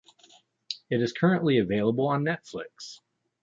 It is currently available on Netflix.